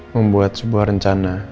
membuat sebuah rencana